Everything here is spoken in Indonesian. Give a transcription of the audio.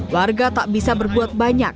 warga tak bisa berbuat banyak